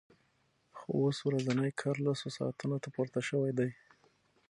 خو اوس ورځنی کار لسو ساعتونو ته پورته شوی دی